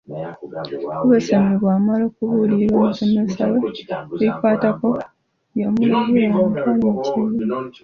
Omukulu w'essomero bw'amala okubuulira omusomesa we ebinkwatako yamulagira antwale mu kibiina.